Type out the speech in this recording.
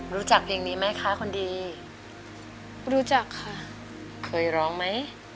รู้จักเพลงนี้มั้ยคะคนดีรู้จักค่ะ